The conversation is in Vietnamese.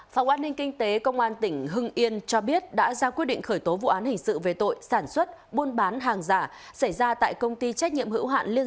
phòng an ninh kinh tế công an tỉnh hưng yên cho biết đã ra quyết định khởi tố vụ án hình sự về tội sản xuất buôn bán hàng giả xảy ra tại công ty trách nhiệm hữu hạn liên